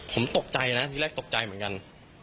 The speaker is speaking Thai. ผมตกใจนะที่แรกตกใจเหมือนกัน